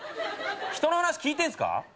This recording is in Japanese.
ひとの話聞いてんすか？